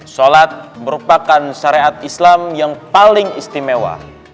sholat merupakan syariat islam yang paling istimewa